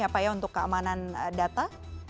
ya pak ya untuk keamanan data